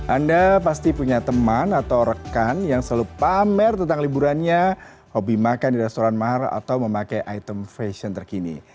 anda pasti punya teman atau rekan yang selalu pamer tentang liburannya hobi makan di restoran mahal atau memakai item fashion terkini